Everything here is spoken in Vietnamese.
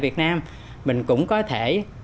việt nam mình cũng có thể